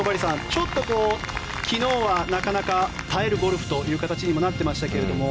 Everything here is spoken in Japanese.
ちょっと昨日はなかなか耐えるゴルフという形にもなってましたが。